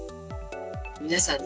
皆さん、